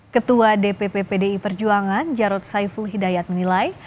ketua dpp pdi perjuangan jarod saiful hidayat menilai